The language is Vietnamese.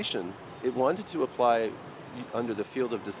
trong phương pháp phim